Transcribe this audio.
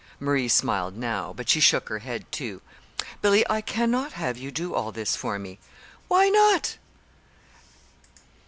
Marie smiled now, but she shook her head, too. "Billy, I cannot have you do all this for me." "Why not?"